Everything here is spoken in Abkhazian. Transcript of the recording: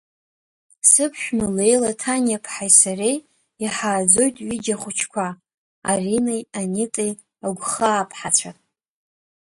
Сыԥшәма Леила Ҭаниа-ԥҳаи сареи иҳааӡоит ҩыџьа ахәыҷқәа Аринеи Анитеи Агәхаа-ԥҳацәа.